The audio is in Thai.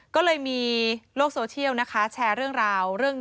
ก็เลยมีโลกโซเชียลนะคะแชร์เรื่องราว